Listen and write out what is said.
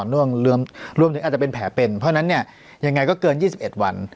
รวมถึงอาจจะเป็นแผลเป็นเพราะฉะนั้นเนี่ยยังไงก็เกิน๒๑วัน